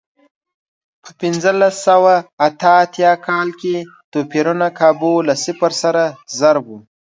په پنځلس سوه اته اتیا کال کې توپیرونه کابو له صفر سره ضرب و.